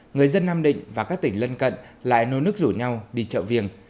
người dân nam định và các tỉnh lân cận lại nôn nước rủ nhau đi chợ viềng